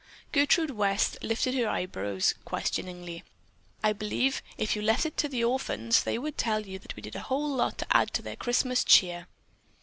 Gertrude West lifted her eyebrows questioningly. "I believe, if you left it to the orphans, they would tell you that we did a whole lot to add to their Christmas cheer."